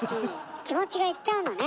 気持ちが行っちゃうのね